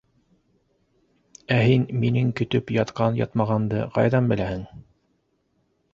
Ә һин минең көтөп ятҡан-ятмағанды ҡайҙан беләһең?